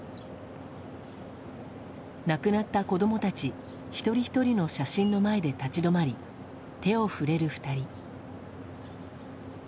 亡くなった子供たち一人ひとりの写真の前で立ち止まり手を触れる２人。